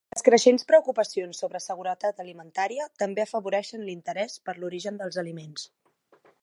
Les creixents preocupacions sobre seguretat alimentària també afavoreixen l'interès per l'origen dels aliments.